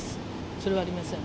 それはありません。